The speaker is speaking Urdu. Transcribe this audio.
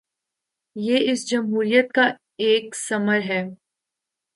یہ اس جمہوریت کا ایک ثمر ہے۔